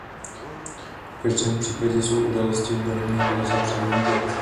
V každém případě jsou události v Barmě nelze předvídat.